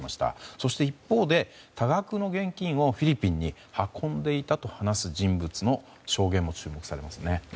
そして一方で多額の現金をフィリピンに運んでいたと話す人物の証言も注目されますね。